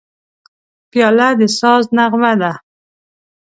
پیاله د ساز نغمه ده.